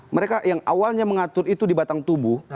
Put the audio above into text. mereka yang awalnya mengatur itu di batang tubuh